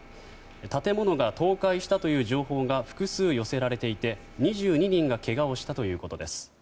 建物が倒壊したという情報が複数寄せられていて２２人がけがをしたということです。